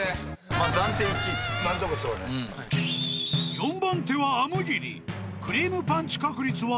［４番手はあむぎり］